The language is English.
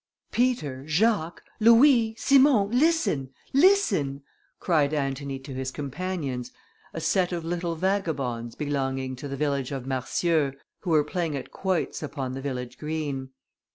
"Peter, Jacques, Louis, Simon, listen! listen!" cried Antony to his companions, a set of little vagabonds belonging to the village of Marcieux, who were playing at quoits upon the village green.